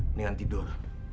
ini kan tidur